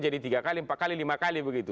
jadi tiga kali empat kali lima kali begitu